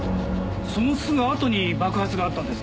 そのすぐあとに爆発があったんです。